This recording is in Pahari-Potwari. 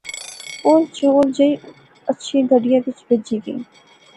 او چول جئے اچھی گڈیا وچ بہجی گئے